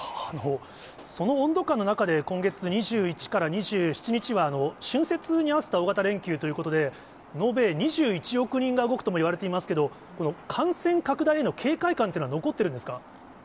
その温度感の中で、今月２１から２７日は、春節に合わせた大型連休ということで、延べ２１億人が動くともいわれていますけれども、この感染拡大への警戒感っていうのは残ってるんですか。